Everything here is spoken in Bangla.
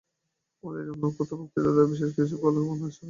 এখানে বা অন্য কোথাও বক্তৃতার দ্বারা বিশেষ কিছু হবে বলে আশা করি না।